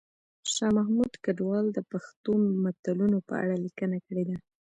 شاه محمود کډوال د پښتو متلونو په اړه لیکنه کړې ده